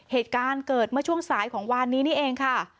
เหตุการณ์เกิดเมื่อช่วงสายของวานนี้นี่เองค่ะ